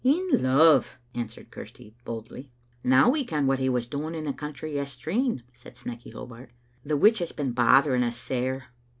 "In love," answered Chirsty, boldly. Now we ken what he was doing in the country yes treen," said Snecky Hobart, "the which has been bothering us sair.